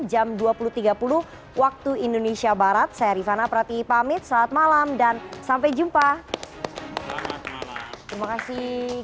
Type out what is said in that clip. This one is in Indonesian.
jam dua puluh tiga puluh waktu indonesia barat saya rifana prati pamit selamat malam dan sampai jumpa terima kasih